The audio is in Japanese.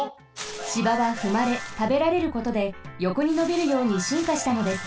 芝はふまれたべられることでよこにのびるようにしんかしたのです。